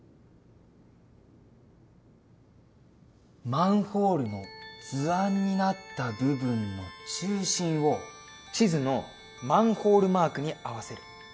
マンホールの図案になった部分の中心を地図のマンホールマークに合わせる。